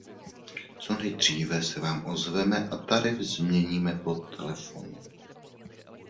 Co nejdříve se vám ozveme a tarif změníme po telefonu.